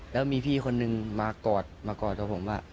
แล้วมีพี่คนนึงมากอดมากอดกับผมว่า